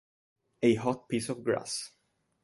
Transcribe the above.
A Hot Piece of Grass